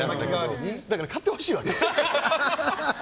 だから買ってほしいわけ。